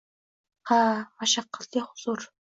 Ha-a, mashaqqatli huzur